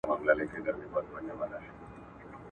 چوروندک له خوشالیه په ګډا سو.